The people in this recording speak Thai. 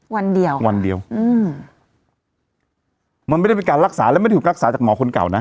วันเดียววันเดียวอืมมันไม่ได้เป็นการรักษาและไม่ได้ถูกรักษาจากหมอคนเก่านะ